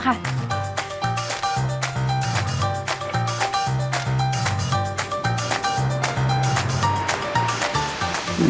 สวัสดีค่ะ